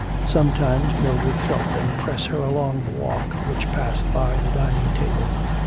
Sometimes Mildred felt them press her along the walk which passed by the dining table.